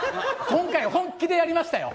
今回は本気でやりましたよ。